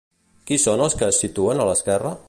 Qui són els que es situen a l'esquerra?